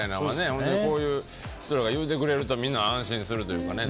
本当にこういう人らが言ってくれるとみんな安心するというかね。